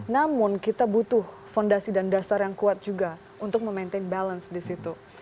namun kita butuh fondasi dan dasar yang kuat juga untuk memaintain balance di situ